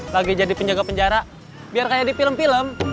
lagi jadi penjaga penjara biar kayak di film film